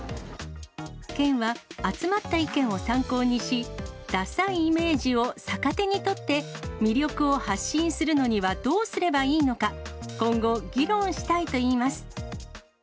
県は集まった意見を参考にし、ダサいイメージを逆手に取って、魅力を発信するのにはどうすればいいのか、今後、議論したいといいます。